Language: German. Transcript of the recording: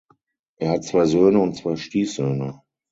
Er hat zwei Söhne und zwei Stiefsöhne.